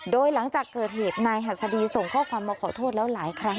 โดยหลังจากเกิดเหตุนายหัสดีส่งข้อความมาขอโทษแล้วหลายครั้ง